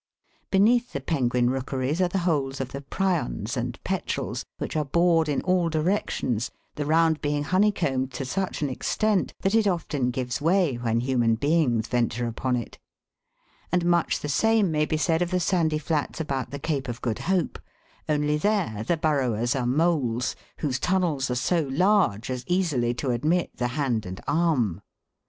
Beneath the penguin rookeries are the holes of the prions and petrels, which are bored in all directions, the round being honeycombed to such an extent that it often gives way when human beings venture upon it ; and much the same may be said of the sandy flats about the Cape of Good Hope, only there the burrowers are moles, whose tunnels are so large as easily to admit the hand and arm.